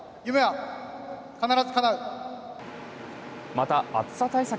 また、暑さ対策